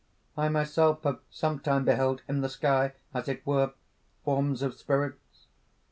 I myself have sometime beheld in the sky, as it were, forms of spirits.